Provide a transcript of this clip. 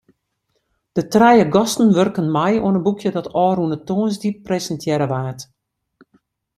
De trije gasten wurken mei oan in boekje dat ôfrûne tongersdei presintearre waard.